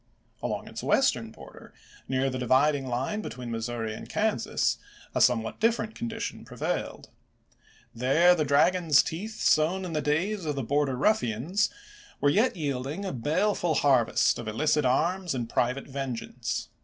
Along its western border, near the dividing line between Missouri and Kansas, a somewhat different condition pre vailed. There the dragon's teeth sown in the days of the Border Euffians were yet yielding a baleful harvest of illicit arms and private vengeance.